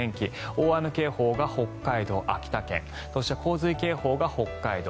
大雨警報が北海道、秋田県そして洪水警報が北海道。